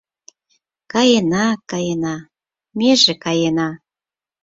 Каена-каена, меже каена